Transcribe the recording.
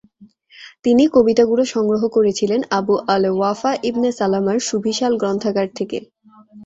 তিনি কবিতাগুলো সংগ্রহ করেছিলেন আবু আল-ওয়াফা ইবনে সালামার সুবিশাল গ্রন্থাগার থেকে।